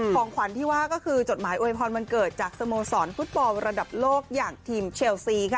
ของขวัญที่ว่าก็คือจดหมายอวยพรวันเกิดจากสโมสรฟุตบอลระดับโลกอย่างทีมเชลซีค่ะ